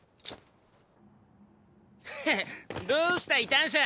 ヘヘッどうした異端者。